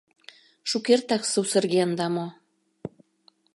— Шукертак сусыргенда мо?